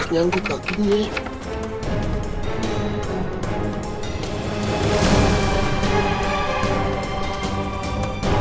kamu itu mau bikin bimbingikka berkata